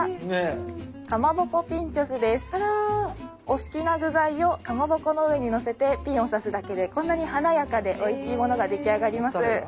お好きな具材をかまぼこの上にのせてピンを刺すだけでこんなに華やかでおいしいものが出来上がります。